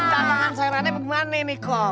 terus catangan sayurannya bagaimana nih kong